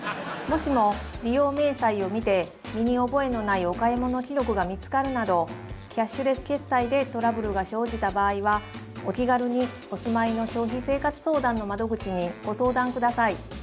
もしも利用明細を見て身に覚えのないお買い物記録が見つかるなどキャッシュレス決済でトラブルが生じた場合はお気軽にお住まいの消費生活相談の窓口にご相談下さい。